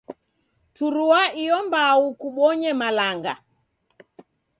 Turua iyo mbao kubonye malanga.